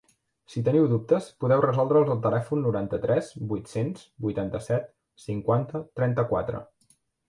Si teniu dubtes, podeu resoldre'ls al telèfon noranta-tres vuit-cents vuitanta-set cinquanta trenta-quatre.